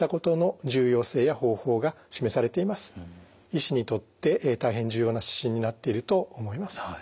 医師にとって大変重要な指針になっていると思います。